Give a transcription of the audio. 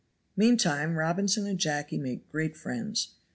Meantime Robinson and Jacky make great friends.